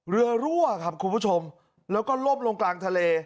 รั่วครับคุณผู้ชมแล้วก็ล่มลงกลางทะเล